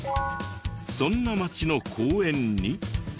そんな街の公園に。